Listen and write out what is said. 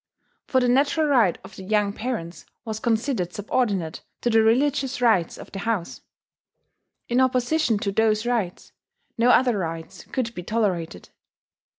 For the natural right of the young parents was considered subordinate to the religious rights of the house. In opposition to those rights, no other rights could be tolerated.